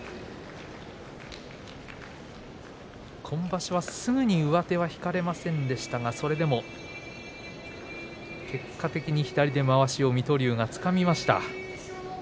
今場所はすぐに上手は引かれませんでしたがそれでも結果的に左でまわしを水戸龍がつかみました。